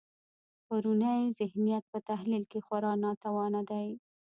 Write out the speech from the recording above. پرونی ذهنیت په تحلیل کې خورا ناتوانه دی.